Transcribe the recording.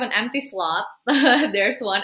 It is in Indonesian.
dan kita punya slot kosong